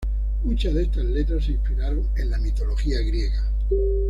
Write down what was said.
Muchas de estas letras se inspiraron en la mitología griega.